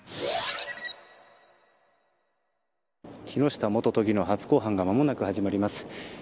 木下元都議の初公判が間もなく始まります。